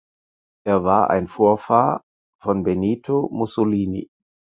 Er war ein Vorfahr von Benito Mussolini.